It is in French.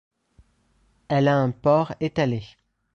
Elle a un port étalé.